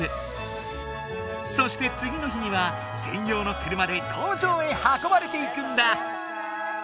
そしてつぎの日にはせんようの車で工場へはこばれていくんだ。